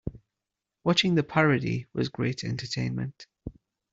Watching the parody was great entertainment.